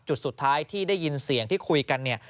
จุดสุดท้ายที่ได้ยินเสียงที่คุยกันเนี่ย